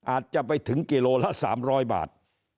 อาจจะไปถึงกิโลละ๓๐๐บาท